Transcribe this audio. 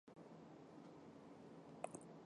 孤島の島